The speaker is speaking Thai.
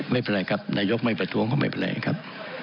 ไม่เป็นไรครับนายกไม่ประท้วงก็ไม่เป็นไรครับ